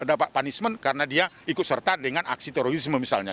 dapat punishment karena dia ikut serta dengan aksi terorisme misalnya